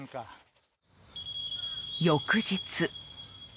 翌日。